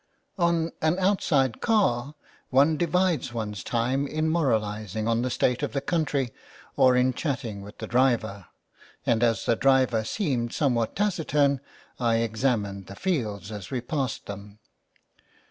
On an outside car one divides one's time in moral izing on the state of the country or in chatting with the driver, and as the driver seemed somewhat taciturn I examined the fields as we passed them.